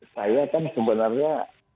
saya kan sebenarnya